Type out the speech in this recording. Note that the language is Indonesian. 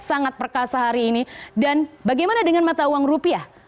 dan bagaimana dengan mata uang rupiah